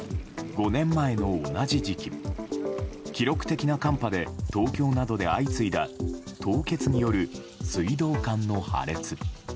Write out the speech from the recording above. ５年前の同じ時期記録的な寒波で東京などで相次いだ凍結による水道管の破裂。